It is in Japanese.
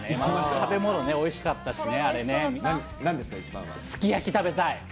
食べ物ね、おいしかったしね、なんですか、すき焼き食べたい。